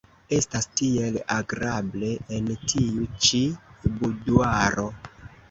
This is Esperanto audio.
Estas tiel agrable en tiu ĉi buduaro.